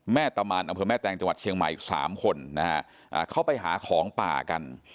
แม่ตามานอแม่แตงจังหวัดเชียงใหม่๓คนนะฮะเขาไปหาของป่ากัน